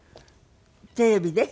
テレビで？